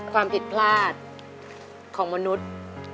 ความผิดพลาดของมนุษย์